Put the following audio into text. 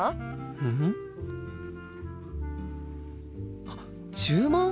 うん？あっ注文？